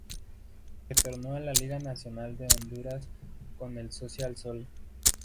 Retornó a la Liga Nacional de Honduras con el Social Sol.